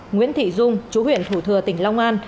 nguyễn thị dung chú huyện thủ thừa tỉnh long an